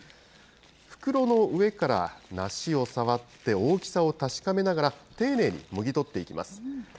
袋の上から梨を触って、大きさを確かめながら、丁寧にもぎ取っていきます。